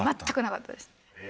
全くなかったですね。